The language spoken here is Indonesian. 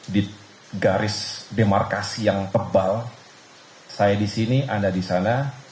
di garis demarkasi yang tebal saya di sini anda di sana